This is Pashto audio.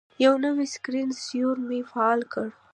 یو نوی سکرین سیور مې فعال کړ.